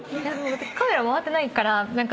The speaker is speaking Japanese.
カメラ回ってないから何か。